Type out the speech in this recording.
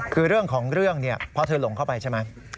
คือเรื่องของเรื่องเนี่ยพอเธอหลงเข้าไปใช่ไหม